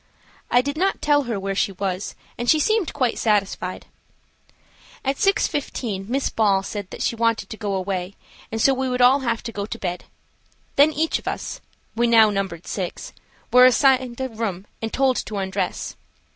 I did not tell her where she was, and she seemed quite satisfied. At 6.15 Miss Ball said that she wanted to go away, and so we would all have to go to bed. Then each of us–we now numbered six–were assigned a room and told to undress.